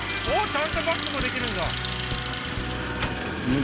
ちゃんとバックもできるんだ